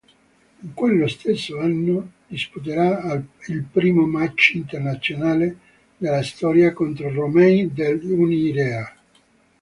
In quello stesso anno disputerà il primo match internazionale della storia contro Romeni dell'Unirea.